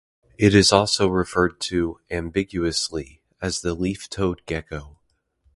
It is also referred to, ambiguously, as the leaf-toed gecko.